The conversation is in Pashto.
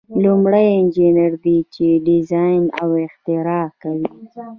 لومړی انجینر دی چې ډیزاین او اختراع کوي.